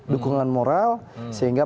dukungan moral sehingga